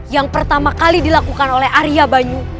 yang pertama kali dilakukan oleh arya banyu